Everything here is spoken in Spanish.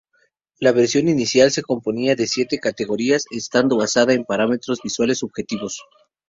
La versión inicial se componía de siete categorías, estando basada en parámetros visuales subjetivos.